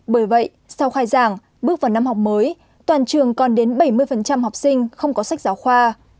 bởi vậy sau khai giảng bước vào năm học mới toàn trường còn đến bảy mươi học sinh không có sách giáo khoa